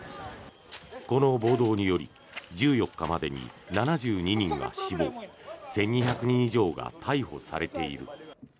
この暴動により１４日までに７２人が死亡１２００人以上が逮捕されている。